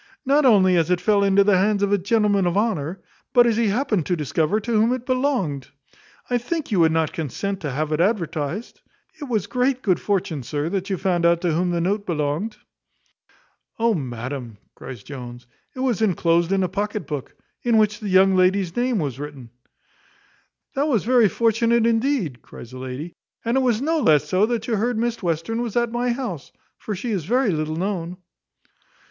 Not only as it fell into the hands of a gentleman of honour, but as he happened to discover to whom it belonged. I think you would not consent to have it advertised. It was great good fortune, sir, that you found out to whom the note belonged." "Oh, madam," cries Jones, "it was enclosed in a pocket book, in which the young lady's name was written." "That was very fortunate, indeed," cries the lady: "And it was no less so, that you heard Miss Western was at my house; for she is very little known."